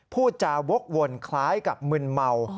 พูดจาวกวนคล้ายกับมึนเมา